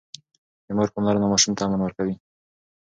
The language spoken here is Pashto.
د مور پاملرنه ماشوم ته امن ورکوي.